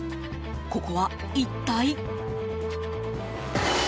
ここは一体？